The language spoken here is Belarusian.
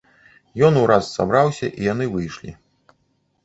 Ён ураз сабраўся, і яны выйшлі.